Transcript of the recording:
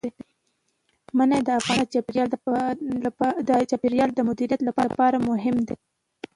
منی د افغانستان د چاپیریال د مدیریت لپاره مهم دي.